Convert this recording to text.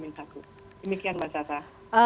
demikian mbak sasa